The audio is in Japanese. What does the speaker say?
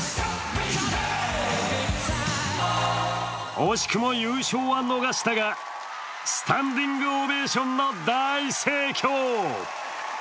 惜しくも優勝は逃したがスタンディングオベーションの大盛況。